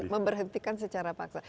ya memberhentikan secara paksa